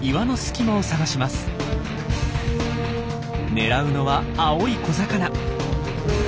狙うのは青い小魚。